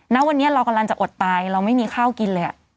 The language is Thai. ณวันนี้เรากำลังจะอดตายเราไม่มีข้าวกินเลย